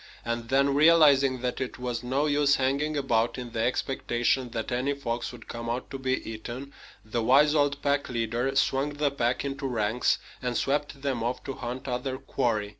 And then, realizing that it was no use hanging about in the expectation that any fox would come out to be eaten, the wise old pack leader swung the pack into ranks and swept them off to hunt other quarry.